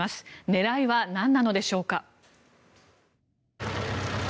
狙いはなんなのでしょうか。